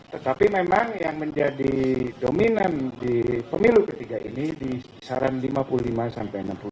tetapi memang yang menjadi dominan di pemilu ketiga ini di kisaran lima puluh lima sampai enam puluh